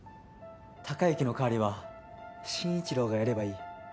孝之の代わりは慎一郎がやればいい。